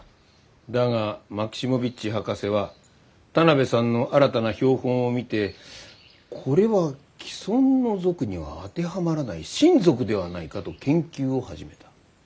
だがマキシモヴィッチ博士は田邊さんの新たな標本を見てこれは既存の属には当てはまらない新属ではないかと研究を始めた。